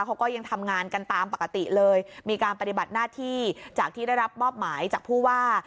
เขาก็ยังทำงานกันตามปกติเลยมีการปฏิบัติหน้าที่จากที่ได้รับมอบหมายจากผู้ว่า